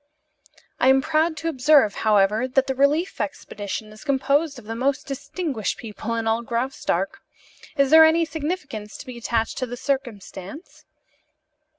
"I am proud to observe, however, that the relief expedition is composed of the most distinguished people in all Graustark. Is there any significance to be attached to the circumstance?"